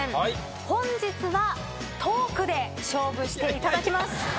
本日はトークで勝負していただきます。